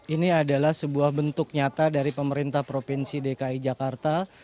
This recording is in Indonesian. ini adalah sebuah bentuk nyata dari pemerintah provinsi dki jakarta